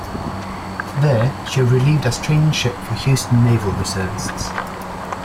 There, she relieved as training ship for Houston naval reservists.